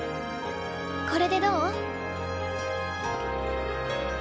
これでどう？